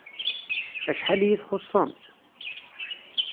Acḥal iyi-txuṣṣemt!